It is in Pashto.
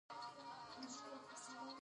د نفوذ خاوند شو او ښوونځي یې تأسیس کړل.